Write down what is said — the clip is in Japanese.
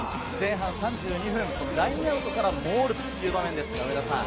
３２分、ラインアウトからモールという場面です。